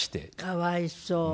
かわいそう。